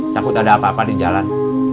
takut ada apa apa di jalan